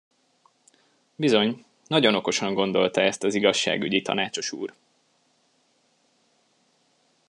Bizony, nagyon okosan gondolta ezt az igazságügyi tanácsos úr!